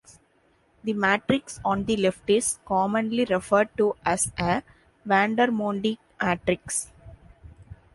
The matrix on the left is commonly referred to as a Vandermonde matrix.